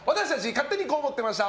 勝手にこう思ってました！